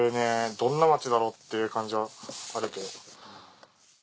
どんな街だろうっていう感じはあるけど。